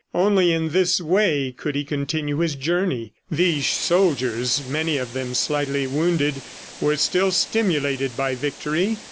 Only in this way, could he continue his journey. These soldiers many of them slightly wounded were still stimulated by victory.